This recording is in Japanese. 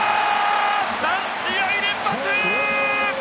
３試合連発！